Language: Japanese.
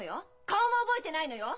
顔も覚えてないのよ！？